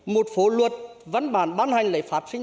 một phố luật văn bản bán hành lấy pháp sinh